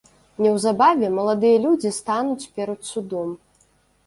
Неўзабаве маладыя людзі стануць перад судом.